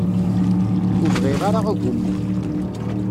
Ur bɣiɣ ara agummu.